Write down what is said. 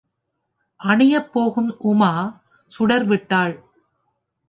அணையப் போகும் உமா சுடர் விட்டாள்!